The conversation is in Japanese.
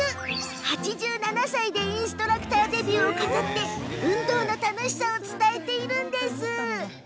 ８７歳でインストラクターデビューを飾り運動の楽しさを伝えているんです。